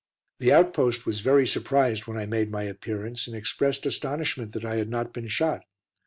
The outpost was very surprised when I made my appearance, and expressed astonishment that I had not been shot.